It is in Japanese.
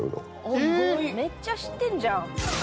めっちゃ知ってんじゃん。